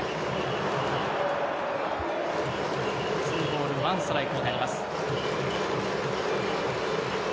２ボール１ストライクになります。